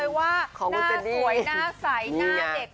อีกหนึ่งสาวบอกเลยว่าหน้าสวยหน้าใสหน้าเด็ก